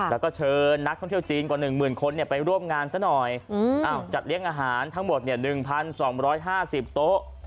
แล้วก็เชิญนักท่องเที่ยวจีนกว่าหนึ่งหมื่นคนเนี่ยไปร่วมงานซะหน่อยอ้าวจัดเลี้ยงอาหารทั้งหมดเนี่ย๑๒๕๐โต๊ะ